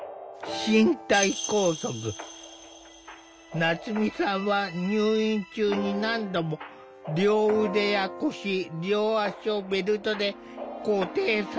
夏実さんは入院中に何度も両腕や腰両足をベルトで固定されたという。